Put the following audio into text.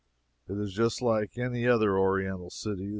It is just like any other Oriental city.